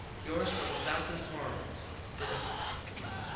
yours till the south is warm, _Bill.